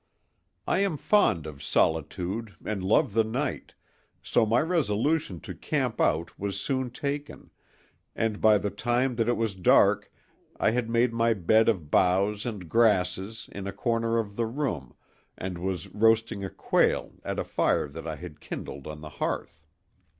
I am fond of solitude and love the night, so my resolution to "camp out" was soon taken, and by the time that it was dark I had made my bed of boughs and grasses in a corner of the room and was roasting a quail at a fire that I had kindled on the hearth.